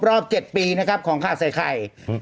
ครบรอบ๗ปีของข้าวใส่ไข่